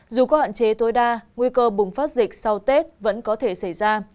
dù có hạn chế tối đa nguy cơ bùng phát dịch sau tết vẫn có thể xảy ra